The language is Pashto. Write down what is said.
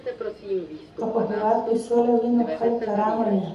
که په هېواد کې سوله وي نو خلک آرامه وي.